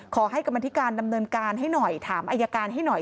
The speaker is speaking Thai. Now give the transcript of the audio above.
กรรมธิการดำเนินการให้หน่อยถามอายการให้หน่อย